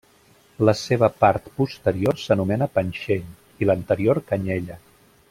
La seva part posterior s'anomena panxell i l'anterior canyella.